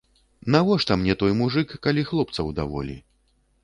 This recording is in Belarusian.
Навошта мне той мужык, калі хлопцаў даволі.